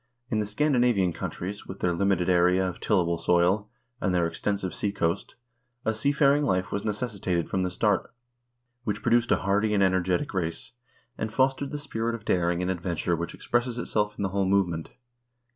In the Scandinavian countries, with their limited area of tillable soil, and their extensive seacoast, a seafaring life was necessitated from the start, which produced a hardy and energetic race, and fos tered the spirit of daring and adventure which expresses itself in the whole movement.